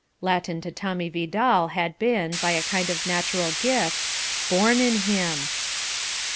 Latin to Tommy Vidal had been, by a kind of natural gift, born in him.